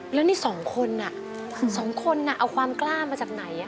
แล้วนี่๒คน๒คนเอาความกล้ามาจากไหน